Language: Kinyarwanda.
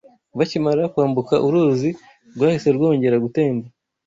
Bakimara kwambuka uruzi rwahise rwongera gutemba